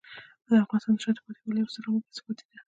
د افغانستان د شاته پاتې والي یو ستر عامل بې ثباتي دی.